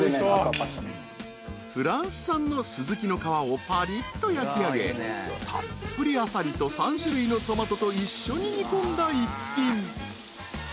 ［フランス産のスズキの皮をぱりっと焼きあげたっぷりアサリと３種類のトマトと一緒に煮込んだ一品］